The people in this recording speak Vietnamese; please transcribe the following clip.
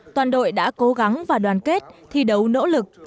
toàn đội đã cố gắng và đoàn kết thi đấu nỗ lực